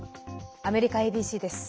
アメリカＡＢＣです。